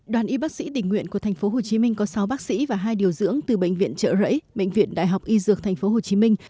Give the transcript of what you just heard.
đoàn y bác sĩ tình nguyện của tp hcm có sáu bác sĩ và hai điều dưỡng từ bệnh viện trợ rẫy bệnh viện đại học y dược tp hcm